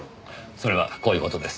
それはこういう事です。